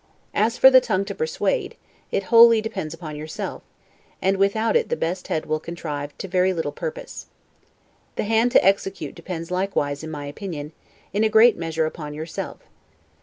As for the TONGUE TO PERSUADE, it wholly depends upon yourself; and without it the best head will contrive to very little purpose. The hand to execute depends likewise, in my opinion, in a great measure upon yourself.